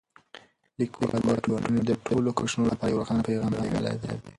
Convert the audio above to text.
لیکوال د ټولنې د ټولو قشرونو لپاره یو روښانه پیغام لېږلی دی.